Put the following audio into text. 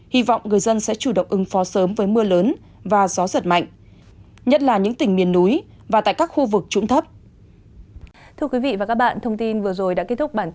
hy vọng người dân sẽ chủ động ứng phó sớm với mưa lớn và gió giật mạnh